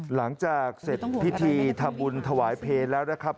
หลังจากเสร็จพิธีทำบุญทวายเพลร้าคม